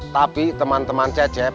tapi teman teman cecep